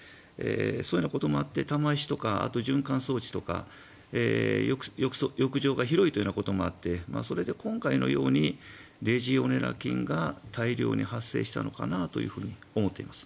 そういうようなこともあって玉石とか、あと循環装置とか浴場が広いということもあってそれで今回のようにレジオネラ菌が大量に発生したのかなと思っています。